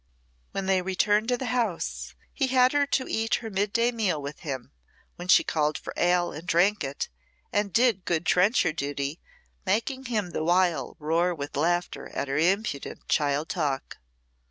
When they returned to the house, he had her to eat her mid day meal with him, when she called for ale, and drank it, and did good trencher duty, making him the while roar with laughter at her impudent child talk.